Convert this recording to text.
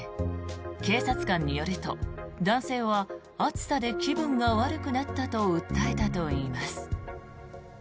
警察官によると男性は暑さで気分が悪くなったと訴えたといいます。